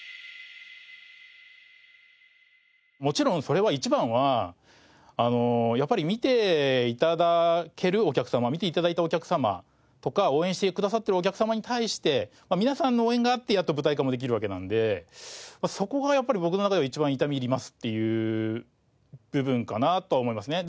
もちろんそれは一番はやっぱり見て頂けるお客様見て頂いたお客様とか応援してくださってるお客様に対して皆さんの応援があってやっと舞台化もできるわけなんでそこがやっぱり僕の中では一番痛み入りますっていう部分かなと思いますね。